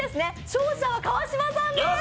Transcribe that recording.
勝者は川島さんです！